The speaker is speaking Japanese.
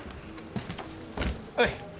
おい！